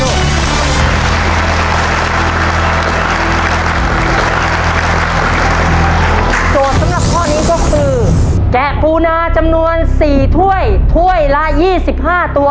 โจทย์สำหรับข้อนี้ก็คือแกะปูนาจำนวน๔ถ้วยถ้วยละ๒๕ตัว